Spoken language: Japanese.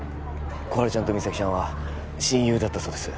心春ちゃんと実咲ちゃんは親友だったそうです